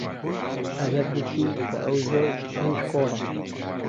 ئازاد گوتی کە ئەو زۆر کونجکۆڵە.